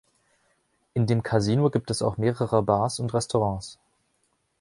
In dem Kasino gibt es auch mehrere Bars und Restaurants.